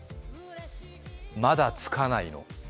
まだ着かないの？